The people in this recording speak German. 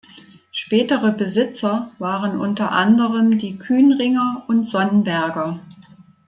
Spätere Besitzer waren unter anderem die Kuenringer und Sonnberger.